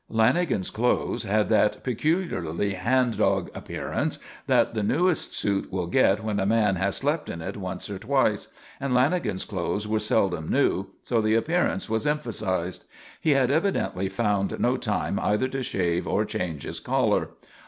Lanagan's clothes had that peculiarly hand dog appearance that the newest suit will get when a man has slept in it once or twice; and Lanagan's clothes were seldom new, so the appearance was emphasised. He had evidently found no time either to shave or change his collar.